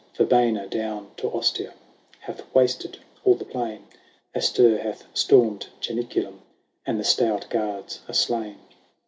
Verbenna down to Ostia Hath wasted all the plain ; Astur hath stormed Janiculum, And the stout guards are slain.